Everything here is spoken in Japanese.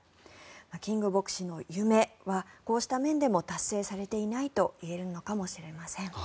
キング牧師の夢はこうした面でも達成されていないといえるのかもしれません。